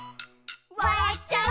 「わらっちゃう」